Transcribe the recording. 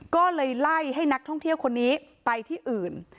ก็เลยไล่ให้นักท่องเที่ยวคนนี้ไปที่อื่น